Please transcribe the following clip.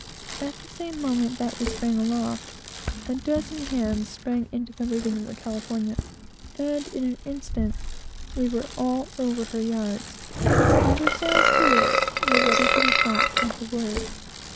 At the same moment that we sprang aloft, a dozen hands sprang into the rigging of the California, and in an instant were all over her yards; and her sails, too, were ready to be dropped at the word.